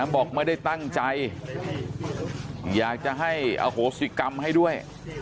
บอกไม่ได้ตั้งใจอยากจะให้อโหสิกรรมให้ด้วย